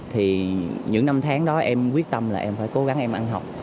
thì những năm tháng đó em quyết tâm là em phải cố gắng em ăn học